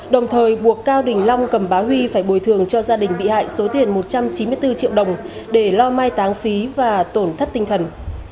đồng thời buộc cao đình long cầm bá huy phải bồi thường cho gia đình bị hại số tiền một trăm chín mươi bốn triệu đồng để lo mai táng phí và tổn thất tinh thần